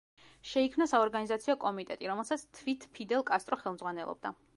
შეიქმნა საორგანიზაციო კომიტეტი, რომელსაც თვით ფიდელ კასტრო ხელმძღვანელობდა.